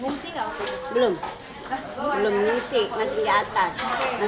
ngusik nggak waktu itu